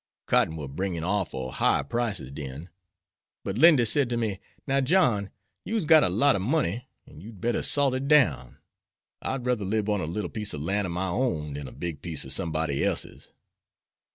Cotton war bringin' orful high prices den, but Lindy said to me, 'Now, John, you'se got a lot ob money, an' you'd better salt it down. I'd ruther lib on a little piece ob lan' ob my own dan a big piece ob somebody else's.